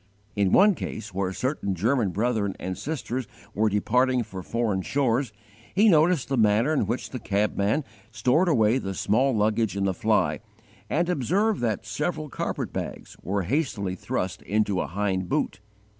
In one case where certain German brethren and sisters were departing for foreign shores, he noticed the manner in which the cabman stored away the small luggage in the fly; and observed that several carpetbags were hastily thrust into a hind boot.